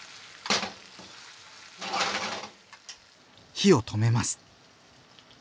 火を止めます。